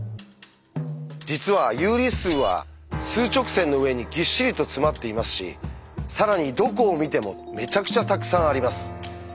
実は有理数は数直線の上にぎっしりと詰まっていますし更にどこを見てもめちゃくちゃたくさんあります。